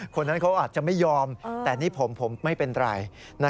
คนนั้นเขาอาจจะไม่ยอมแต่นี่ผมไม่เป็นไร